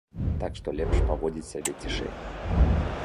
Так што лепш паводзіць сябе цішэй.